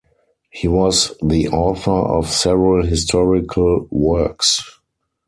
He was the author of several historical works.